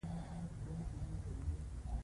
پټو سترګو پردیو پسې تګ نه دی.